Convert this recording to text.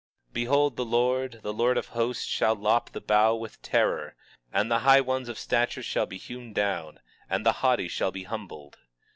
20:33 Behold, the Lord, the Lord of Hosts shall lop the bough with terror; and the high ones of stature shall be hewn down; and the haughty shall be humbled.